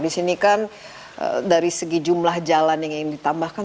di sini kan dari segi jumlah jalan yang ditambahkan